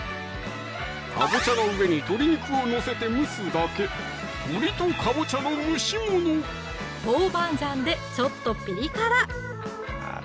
かぼちゃの上に鶏肉を載せて蒸すだけトウバンジャンでちょっとピリ辛！